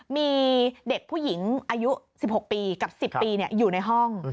มีเด็กผู้หญิงอายุ๑๖ปีกับ๑๐ปีอยู่ในห้อง